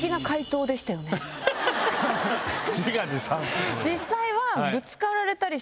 自画自賛！